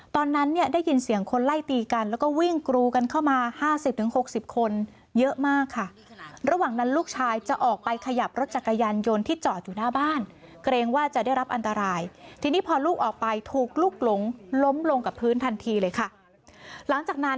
ตอนนั้นได้ยินเสียงคนไล่ตีกัน